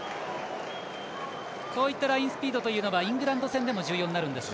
こういったラインスピードというのはイングランド戦でも重要になるんですか？